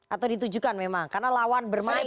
atau ditujukan memang karena lawan bermain